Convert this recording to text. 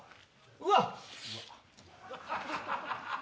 うわっ